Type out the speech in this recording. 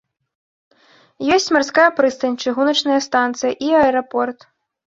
Ёсць марская прыстань, чыгуначная станцыя і аэрапорт.